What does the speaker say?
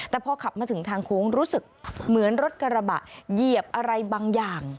แต่พอขับมาถึงทางโค้งรู้สึกเหมือนรถกระบะเหยียบอะไรบางอย่าง